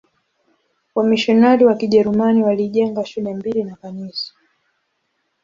Wamisionari wa Kijerumani walijenga shule mbili na kanisa.